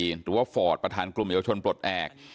หรือว่าฟอร์ตประธานกลุ่มเยาวชนปลดแอบ